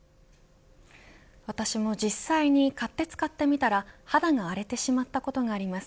私も実際に買って使ってみたら肌が荒れてしまったことがあります。